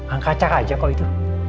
angka acar aja kok itu